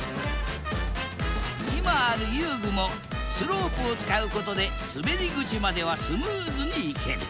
今ある遊具もスロープを使うことですべり口まではスムーズに行ける